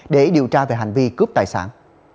để điều tra về hành vi cướp tài sản